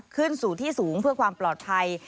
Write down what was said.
ขึ้นสู่ที่สูงเพื่อความปลอดภัย